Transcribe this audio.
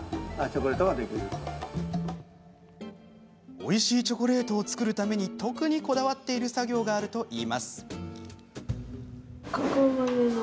おいしいチョコレートを作るために特にこだわっている作業があるといいます。